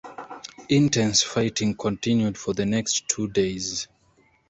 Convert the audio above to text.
Intense fighting continued for the next two days.